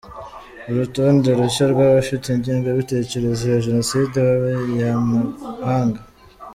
Urutonde rushya rw’abafite ingengabitekerezo ya Genocide b’abanyamahanga